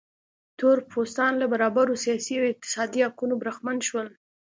تور پوستان له برابرو سیاسي او اقتصادي حقونو برخمن شول.